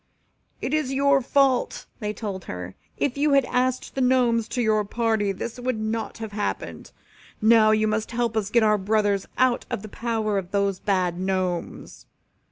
"It is all your fault," they told her. "If you had asked the Gnomes to your party this would not have happened. Now you must help us to get our brothers out of the power of those bad Gnomes.